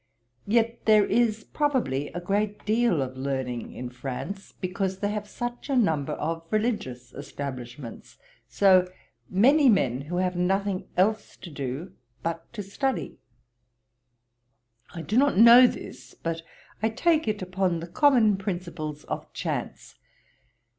Yet there is, probably, a great deal of learning in France, because they have such a number of religious establishments; so many men who have nothing else to do but to study. I do not know this; but I take it upon the common principles of chance.